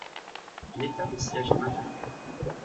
L'état de siège est maintenu.